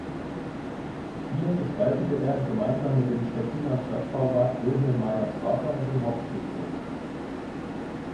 Hier gestaltete er gemeinsam mit dem Stettiner Stadtbaurat Wilhelm Meyer-Schwartau den Hauptfriedhof.